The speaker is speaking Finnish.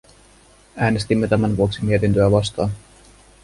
Äänestimme tämän vuoksi mietintöä vastaan.